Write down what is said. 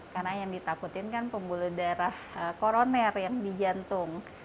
karena yang ditakutkan kan pembuluh darah koroner yang di jantung